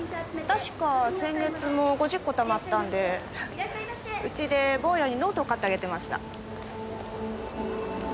確か先月も５０個たまったんでうちで坊やにノートを買ってあげてました。